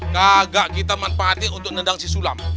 kagak kita manfaatin untuk nendang si sulam